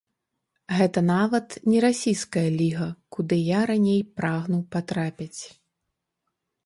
Гэта нават не расійская ліга, куды я раней прагнуў патрапіць.